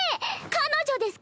彼女ですから。